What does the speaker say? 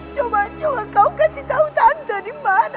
coba coba kau kasih tau tante dimana dia